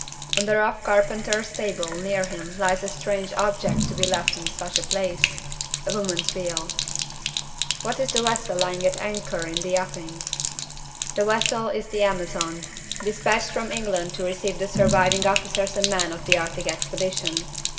On the rough carpenter's table near him lies a strange object to be left in such a place a woman's veil. What is the vessel lying at anchor in the offing? The vessel is the Amazon dispatched from England to receive the surviving officers and men of the Arctic Expedition.